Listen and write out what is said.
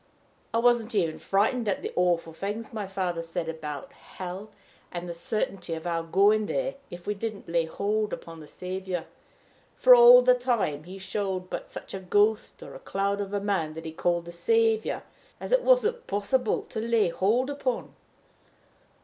I wasn't even frightened at the awful things my father said about hell, and the certainty of our going there if we didn't lay hold upon the Saviour; for, all the time, he showed but such a ghost or cloud of a man that he called the Saviour as it wasn't possible to lay hold upon.